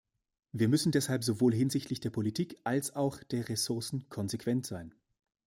Wir müssen deshalb sowohl hinsichtlich der Politik als auch der Ressourcen konsequent sein.